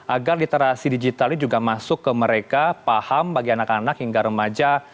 agar literasi digital ini juga masuk ke mereka paham bagi anak anak hingga remaja